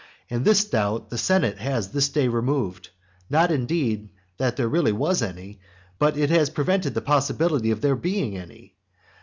And this doubt the senate has this day removed not indeed that there really was any; but it has prevented the possibility of there being any.